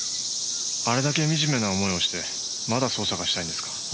あれだけ惨めな思いをしてまだ捜査がしたいんですか？